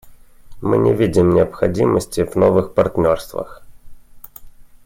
Мы не видим необходимости в новых партнерствах.